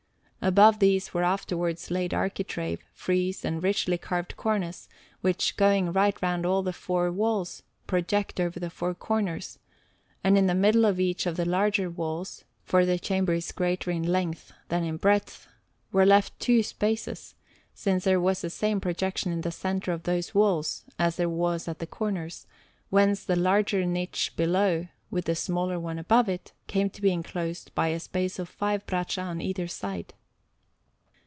Above these were afterwards laid architrave, frieze, and richly carved cornice, which, going right round all the four walls, project over the four corners; and in the middle of each of the larger walls for the Chamber is greater in length than in breadth were left two spaces, since there was the same projection in the centre of those walls as there was at the corners; whence the larger niche below, with the smaller one above it, came to be enclosed by a space of five braccia on either side.